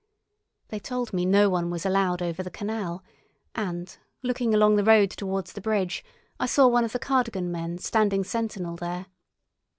They told me no one was allowed over the canal, and, looking along the road towards the bridge, I saw one of the Cardigan men standing sentinel there.